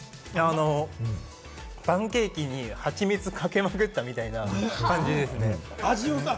パンケーキに蜂蜜かけまくったみたいな感じですね。